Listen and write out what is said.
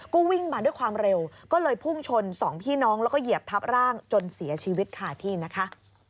ก็วิ่งมาด้วยความเร็วก็เลยพุ่งชนสองพี่น้องแล้วก็เหยียบทับร่างจนเสียชีวิตขาดที่นะคะ